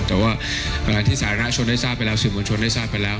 แต่ว่าขณะที่สาธารณชนได้ทราบไปแล้วสื่อมวลชนได้ทราบไปแล้ว